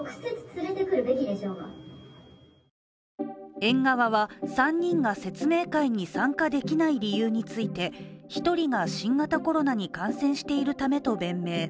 園側は、３人が説明会に参加できない理由について、１人が新型コロナに感染しているためと弁明。